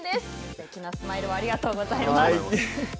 大きなスマイルをありがとうございます。